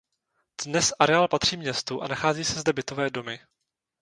Dnes areál patří městu a nachází se zde bytové domy.